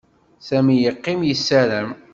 Sami yeqqim yessaram.